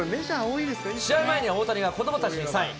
試合前には大谷が子どもたちにサイン。